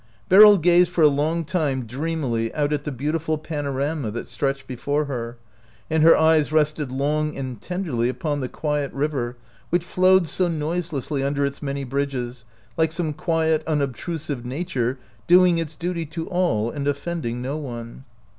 Beryl gazed for a long time dreamily out at the beautiful panorama that stretched before her, and her eyes rested long and tenderly upon the quiet river which flowed so noise lessly under its many bridges, like some quiet, unobtrusive nature doing its duty to all and offending no one.